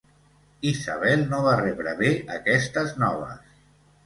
Isabel no va rebre bé aquestes noves.